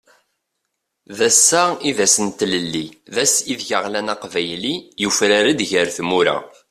D ass-a i d ass n tlelli, d ass ideg aɣlan aqbayli, yufrar-d ger tmura.